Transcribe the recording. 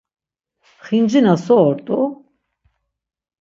Xincina so ort̆u?